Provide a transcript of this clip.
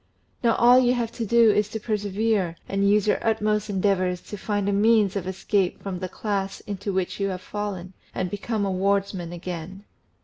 Now all you have to do is to presevere and use your utmost endeavours to find a means of escape from the class into which you have fallen, and become a wardsman again.